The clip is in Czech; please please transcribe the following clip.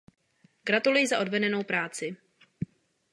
Gratuluji za odvedenou práci.